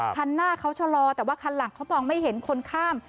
คันหน้าเขาชะลอแต่ว่าคันหลังเขามองไม่เห็นคนข้าม